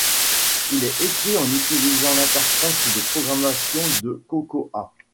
Il est écrit en utilisant l'interface de programmation de Cocoa.